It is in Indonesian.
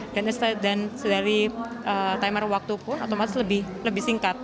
dan dari timer waktu pun otomatis lebih singkat